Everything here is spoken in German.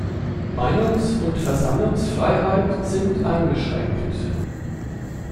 Meinungs- und Versammlungsfreiheit sind eingeschränkt.